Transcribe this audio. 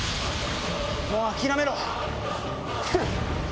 もう諦めろ！